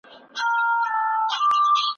د نقيب نوم له سيـتاره دى لـوېـدلى